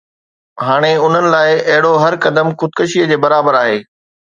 هاڻي انهن لاءِ اهڙو هر قدم خودڪشي جي برابر آهي